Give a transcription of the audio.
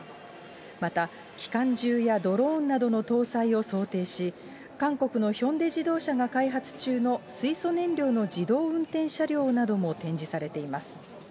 また、機関銃やドローンなどの搭載を想定し、韓国のヒョンデ自動車が開発中の水素燃料の自動運転車両なども展示されています。